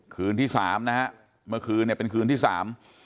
คืนที่สามนะฮะเมื่อคืนเนี่ยเป็นคืนที่สาม